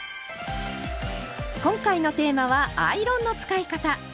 今回のテーマは「アイロンの使い方」。